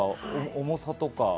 重さとか。